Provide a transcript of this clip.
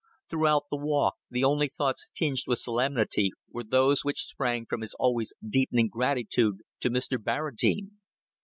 Throughout the walk the only thoughts tinged with solemnity were those which sprang from his always deepening gratitude to Mr. Barradine.